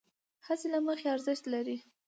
هڅې له مخې ارزښت لرې،